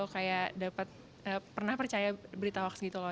kayak dapat pernah percaya berita hoax gitu loh